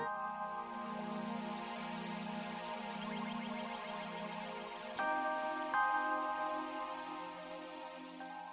terima kasih sayang